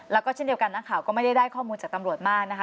แล้วก็เช่นเดียวกันนักข่าวก็ไม่ได้ได้ข้อมูลจากตำรวจมากนะคะ